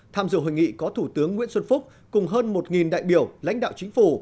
tham dự hội nghị có thủ tướng nguyễn xuân phúc cùng hơn một đại biểu lãnh đạo chính phủ